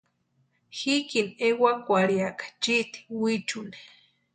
Jikini ewakwarhiaka chiti wichuni.